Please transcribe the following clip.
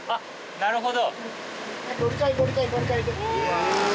なるほど。